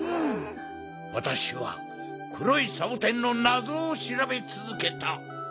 わたしはくろいサボテンのなぞをしらべつづけた。